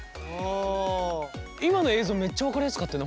今の映像めっちゃ分かりやすかったよね。